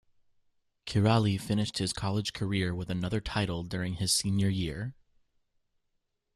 Kiraly finished his college career with another title during his senior year.